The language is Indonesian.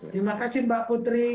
terima kasih mbak putri